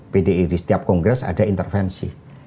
pdi di setiap kongres ada intervensi